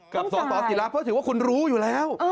กับสสิระเพราะถือว่าคุณรู้อยู่แล้ว